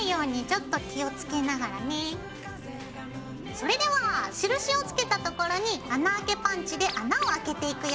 それでは印をつけた所に穴あけパンチで穴をあけていくよ。